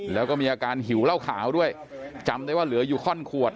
แล้วก็มีอาการหิวเหล้าขาวด้วยจำได้ว่าเหลืออยู่ข้อนขวด